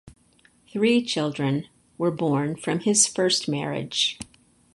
Three children were born from his first marriage.